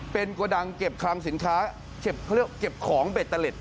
เป็นกระดังเก็บคลังสินค้าเขาเรียกว่าเก็บของเบ็ดตะเล็ด